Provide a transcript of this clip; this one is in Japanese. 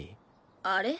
あれ？